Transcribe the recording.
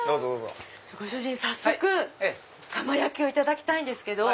ご主人早速釜焼をいただきたいんですけど。